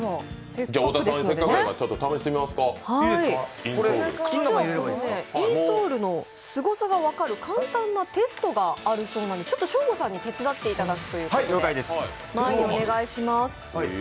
インソールのすごさが分かる簡単なテストがあるそうでショーゴさんに手伝っていただくということで、お願いします。